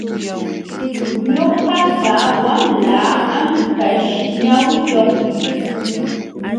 Ñuqapa wamlaa anqaśh ñawiyuqmi.